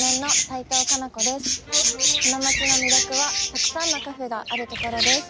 この街の魅力はたくさんのカフェがあるところです。